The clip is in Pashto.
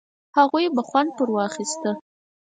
هغوی به خوند پر اخيسته.